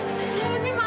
kenapa sih ma